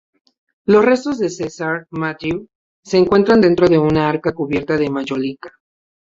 Los restos de Cesare Mattei se encuentran dentro de un arca cubierta de mayólica.